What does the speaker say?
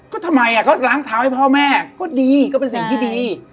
ก็ทำไมก็ล้างเท้าให้พ่อแม่ก็ดีก็เป็นสิ่งที่ดี